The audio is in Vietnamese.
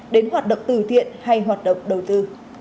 đến hoạt động từ thiện hay hoạt động đầu tư